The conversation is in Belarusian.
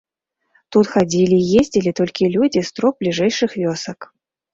Тут хадзілі і ездзілі толькі людзі з трох бліжэйшых вёсак.